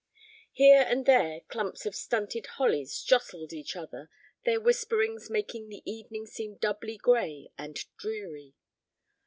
Here and there clumps of stunted hollies jostled each other, their whisperings making the evening seem doubly gray and dreary.